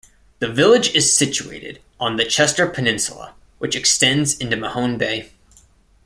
The village is situated on the Chester Peninsula, which extends into Mahone Bay.